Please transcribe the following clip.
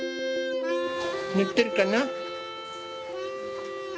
塗ってるかな？